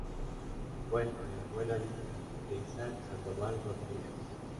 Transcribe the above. Fuente: "Buena Vista" de Isaac Sandoval Rodríguez.